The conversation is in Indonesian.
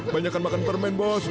banyakan makan permen bos